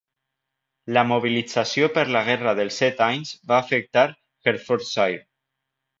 La mobilització per la guerra dels set anys va afectar Hertfordshire.